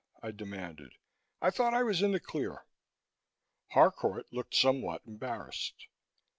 I demanded. "I thought I was in the clear." Harcourt looked somewhat embarrassed.